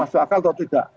maka masuk akal atau tidak